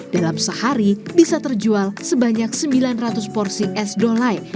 dalam sehari bisa terjual sebanyak sembilan ratus porsi es dolai